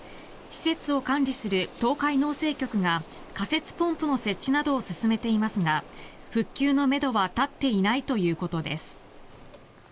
施設を管理する東海農政局が仮設ポンプの設置などを進めていますが復旧のめどは立っていないということです。